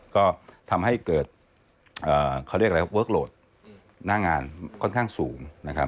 ก็ทำให้เกิดเวิร์คโหลดหน้างานค่อนข้างสูง